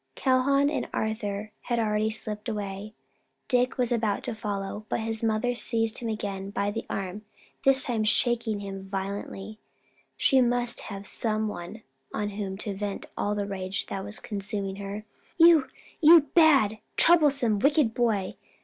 Calhoun and Arthur had already slipped away. Dick was about to follow, but his mother again seized him by the arm, this time shaking him violently; she must have some one on whom to vent the rage that was consuming her. "You you bad, troublesome, wicked boy!